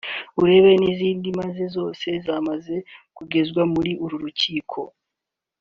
ureba n’izindi manza zose zamaze kugezwa muri uru rukiko